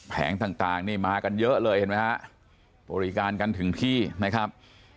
ต่างนี่มากันเยอะเลยเห็นไหมฮะบริการกันถึงที่นะครับ